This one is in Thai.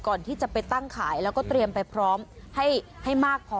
ก่อนที่จะไปตั้งขายแล้วก็เตรียมไปพร้อมให้มากพอ